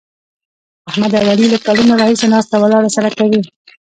احمد او علي له کلونو راهسې ناسته ولاړه سره کوي.